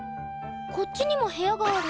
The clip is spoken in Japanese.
こっちにも部屋がある。